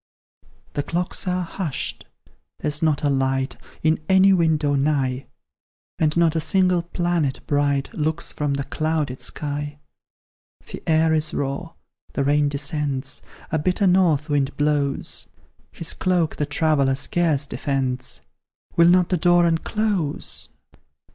The clocks are hushed there's not a light In any window nigh, And not a single planet bright Looks from the clouded sky; The air is raw, the rain descends, A bitter north wind blows; His cloak the traveller scarce defends Will not the door unclose?